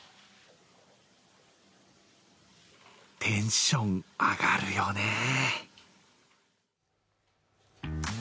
テンション、上がるよね。